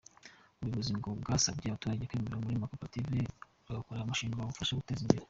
Ubuyobozi ngo bwasabye abaturage kwibumbira muri koperative bagakora umushinga ibafasha kwiteza imbere.